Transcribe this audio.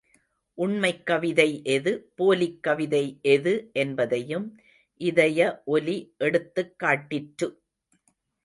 உண்மைக்கவிதை எது, போலிக்கவிதை எது, என்பதையும் இதய ஒலி எடுத்துக் காட்டிற்று.